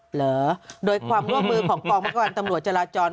หรือโดยความร่วมมือของกองประการตำรวจจราจร